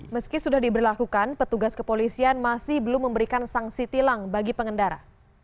meski sudah diberlakukan petugas kepolisian masih belum memberikan sanksi tilang bagi pengendara